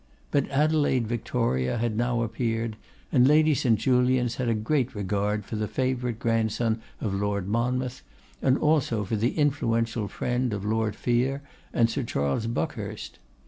But Adelaide Victoria had now appeared, and Lady St. Julians had a great regard for the favourite grandson of Lord Monmouth, and also for the influential friend of Lord Vere and Sir Charles Buckhurst.